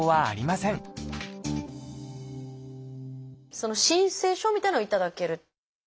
その申請書みたいなのを頂ける？